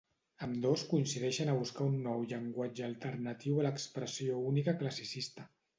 Ambdós coincideixen a buscar un nou llenguatge alternatiu a l'expressió única classicista.